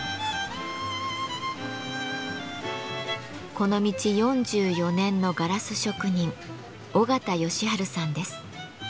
この道４４年のガラス職人緒方義春さんです。